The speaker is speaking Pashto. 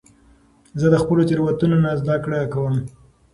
زه د خپلو تیروتنو نه زده کړه کوم.